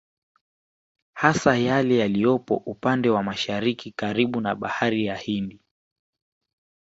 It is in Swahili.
Hasa yale yaliyopo upande wa Masahariki karibu na bahari ya Hindi